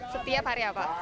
setiap hari apa